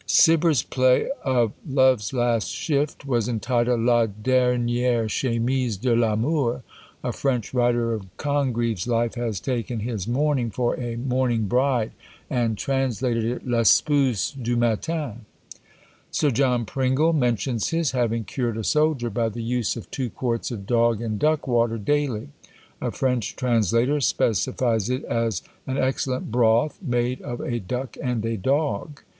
Cibber's play of "Love's Last Shift" was entitled "La Dernière Chemise de l'Amour." A French writer of Congreve's life has taken his Mourning for a Morning Bride, and translated it L'Espouse du Matin. Sir John Pringle mentions his having cured a soldier by the use of two quarts of Dog and Duck water daily: a French translator specifies it as an excellent broth made of a duck and a dog!